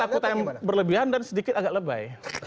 takut yang berlebihan dan sedikit agak lebay